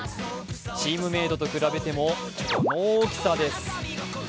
チームメイトと比べても、この大きさです。